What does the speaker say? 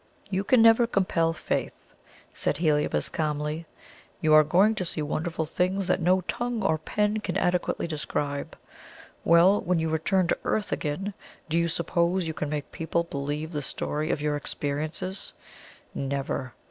"You can never compel faith," said Heliobas calmly. "You are going to see wonderful things that no tongue or pen can adequately describe. Well, when you return to earth again, do you suppose you can make people believe the story of your experiences? Never!